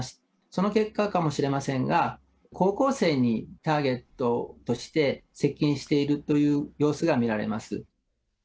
その結果かもしれませんが、高校生にターゲットとして、接近しているという様子が見られます。